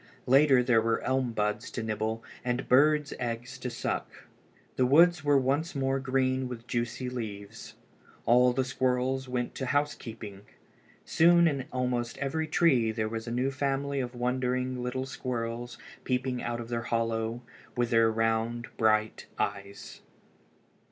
Later there were elm buds to nibble and birds' eggs to suck. The woods were once more green with juicy leaves. All the squirrels went to housekeeping. Soon in almost every tree there was a new family of wondering little squirrels peeping out of their hollow with their round, bright eyes.